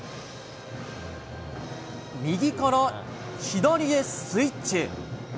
右から左へスイッチ。